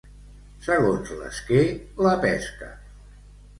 Segons l'esquer, la pesca.